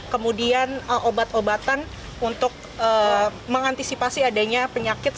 kemudian obat obatan untuk mengantisipasi adanya penyakit